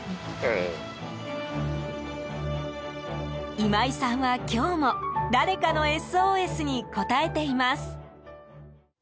今井さんは、今日も誰かのＳＯＳに応えています。